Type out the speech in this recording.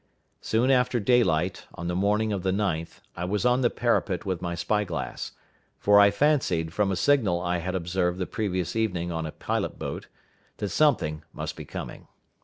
Soon after daylight, on the morning of the 9th, I was on the parapet with my spy glass; for I fancied, from a signal I had observed the previous evening on a pilot boat, that something must be coming.